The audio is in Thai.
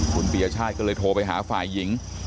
คุณปียชาติก็เลยโทรไปหาฝ่ายหญิง